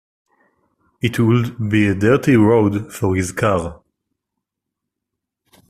It would be a dirty road for his car.